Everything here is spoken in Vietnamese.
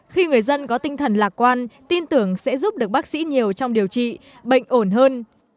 khi người dân có tinh thần lạc quan tin tưởng sẽ giúp được bác sĩ nhiều trong điều trị bệnh ổn hơn